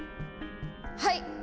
はい！